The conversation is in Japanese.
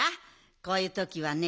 こういうときはね